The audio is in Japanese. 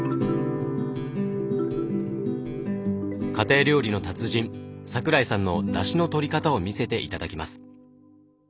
家庭料理の達人桜井さんのだしのとり方を見せて頂きます。